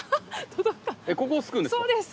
ここをすくうんですか？